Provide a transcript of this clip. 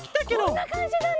こんなかんじだね！